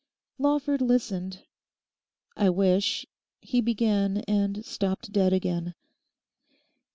Lawford listened. 'I wish—,' he began, and stopped dead again.